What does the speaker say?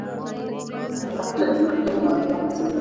د کابل سیند د افغان ماشومانو د لوبو یوه موضوع ده.